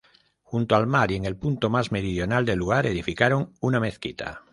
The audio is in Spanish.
Junto al mar y en el punto más meridional del lugar edificaron una mezquita.